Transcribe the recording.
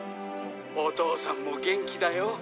「お父さんも元気だよ」